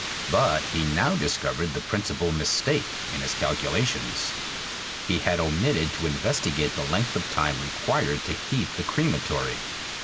But he now discovered the principal mistake in his calculations. He had omitted to investigate the length of time required to heat the crematory.